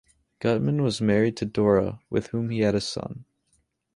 Gutman was married to Dora, with whom he had a son.